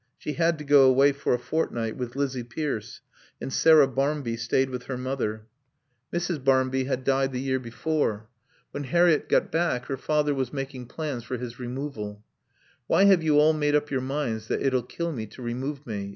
She had to go away for a fortnight with Lizzie Pierce, and Sarah Barmby stayed with her mother. Mrs. Barmby had died the year before. When Harriett got back her father was making plans for his removal. "Why have you all made up your minds that it'll kill me to remove me?